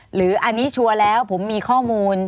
หรืออันนี้ชัวร์แล้วผมมีข้อมูล